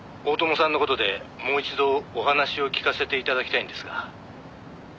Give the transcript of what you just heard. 「大友さんの事でもう一度お話を聞かせて頂きたいんですが」